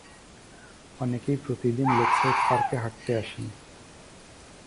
তার স্ত্রীর নাম জাকিয়া খাতুন।